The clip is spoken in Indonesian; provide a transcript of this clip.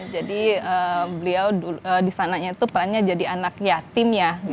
jadi beliau disananya itu perannya jadi anak yatim ya